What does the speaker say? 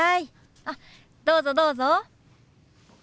あっどうぞどうぞ。